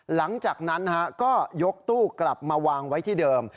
หลังจากนั้นก็ยกตู้กลับมาวางไว้ที่เดิม